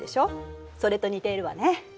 それと似ているわね。